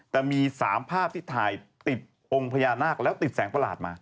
แต่มี๓ภาพที่ถ่ายติดองค์พญานาคแล้วติดแสงประหลาดมา